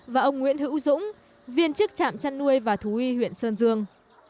và ông nguyễn hữu dũng viên chức trạm chăn nuôi và thú y huyện sơn dương